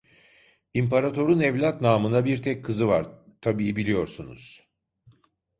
İmparator'un evlat namına bir tek kızı var, tabii biliyorsunuz.